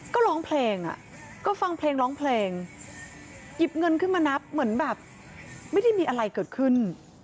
ก็ร้องเพลงอ่ะก็ฟังเพลงร้องเพลงหยิบเงินขึ้นมานับเหมือนแบบไม่ได้มีอะไรเกิดขึ้น